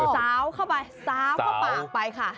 สาวเข้าไปสาวเข้าปากไปค่ะ